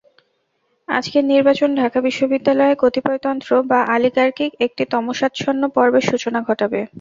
আজকের নির্বাচন ঢাকা বিশ্ববিদ্যালয়ে কতিপয়তন্ত্র বা অলিগার্কির একটি তমসাচ্ছন্ন পর্বের সূচনা ঘটাবে।